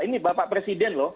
ini bapak presiden loh